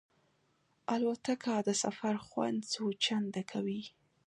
الوتکه د سفر خوند څو چنده کوي.